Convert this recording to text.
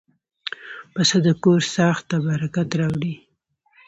پسه د کور ساحت ته برکت راوړي.